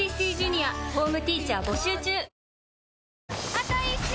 あと１周！